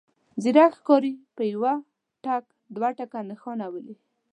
ځيرک ښکاري په يوه ټک دوه نښانه ولي.